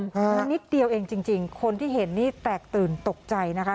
นิดเดียวเองจริงคนที่เห็นนี่แตกตื่นตกใจนะคะ